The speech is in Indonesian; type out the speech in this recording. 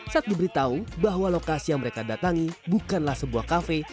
saat diberitahu bahwa lokasi yang mereka datangi bukanlah sebuah kafe